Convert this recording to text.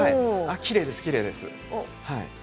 きれいです、きれいです。